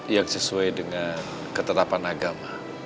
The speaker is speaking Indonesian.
yang sesuai dengan ketetapan agama